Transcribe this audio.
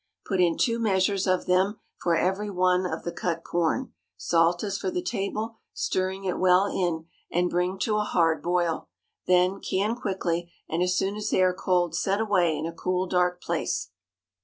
Put in two measures of them for every one of the cut corn; salt as for the table, stirring it well in, and bring to a hard boil. Then, can quickly, and as soon as they are cold set away in a cool, dark place.